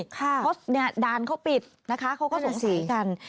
เพราะด่านเขาปิดนะคะเขาก็สงสัยกัน